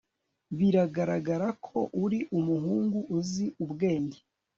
Biragaragara ko uri umuhungu uzi ubwenge